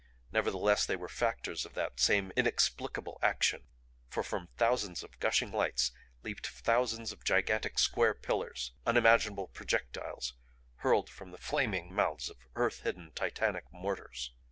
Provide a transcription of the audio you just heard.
Nevertheless they were factors of that same inexplicable action for from thousands of gushing lights leaped thousands of gigantic square pillars; unimaginable projectiles hurled from the flaming mouths of earth hidden, titanic mortars.